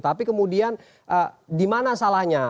tapi kemudian di mana salahnya